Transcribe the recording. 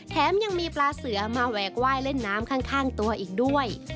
แถมยังมีปลาเสือมาแหวกไหว้เล่นน้ำข้างตัวอีกด้วย